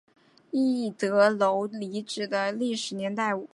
一德楼遗址的历史年代为明。